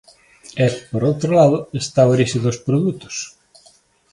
E, por outro lado, está a orixe dos produtos.